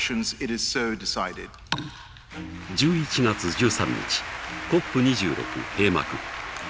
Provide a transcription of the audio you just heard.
１１月１３日ＣＯＰ２６閉幕。